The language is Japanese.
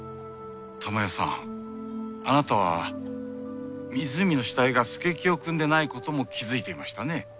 珠世さんあなたは湖の死体が佐清くんでないことも気付いていましたね。